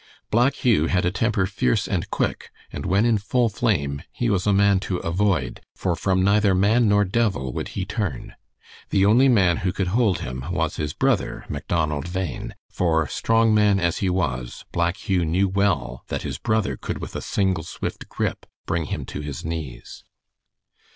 Black Hugh had a temper fierce and quick, and when in full flame he was a man to avoid, for from neither man nor devil would he turn. The only man who could hold him was his brother Macdonald Bhain, for strong man as he was, Black Hugh knew well that his brother could with a single swift grip bring him to his knees.